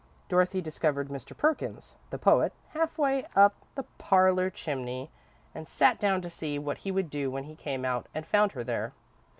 Dorothy discovered Mr. Perkins, the poet, half way up the parlour chimney, and sat down to see what he would do when he came out and found her there.